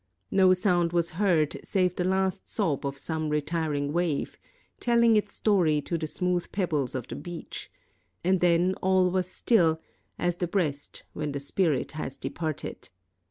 No sound was heard save the last sob of some retiring wave, telling its story to the smooth pebbles of the beach ; and then all was still as the breast when the spirit has departed.